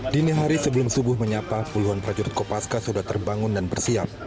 dini hari sebelum subuh menyapa puluhan prajurit kopaska sudah terbangun dan bersiap